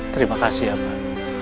terima kasih ya pak